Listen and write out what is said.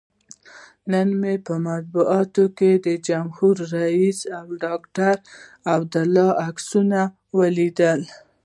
نن مې په مطبوعاتو کې د جمهور رئیس او ډاکتر عبدالله عکسونه ولیدل.